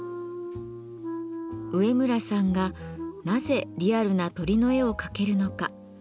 上村さんがなぜリアルな鳥の絵を描けるのか？